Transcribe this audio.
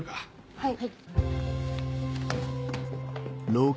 はい。